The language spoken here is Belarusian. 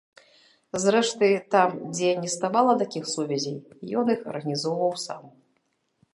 Зрэшты, там, дзе не ставала такіх сувязей, ён іх арганізоўваў сам.